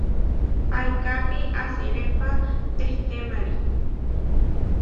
Paikápi asirépa tehtémari.